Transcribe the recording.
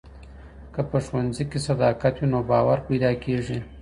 که په ښوونځي کې صداقت وي نو باور پیدا کېږي.